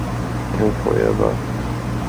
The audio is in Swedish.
Tänk på Eva.